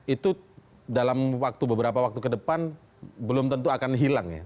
itu dalam beberapa waktu ke depan belum tentu akan hilang ya